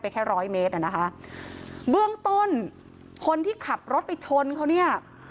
แค่ร้อยเมตรอ่ะนะคะเบื้องต้นคนที่ขับรถไปชนเขาเนี่ย